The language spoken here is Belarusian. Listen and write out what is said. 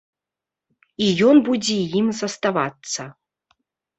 І ён будзе ім заставацца!